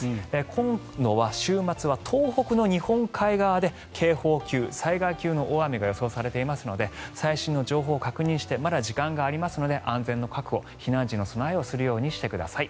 今度は週末は東北の日本海側で警報級、災害級の大雨が予想されていますので最新の情報を確認してまだ時間がありますので安全の確保、避難時の備えをするようにしてください。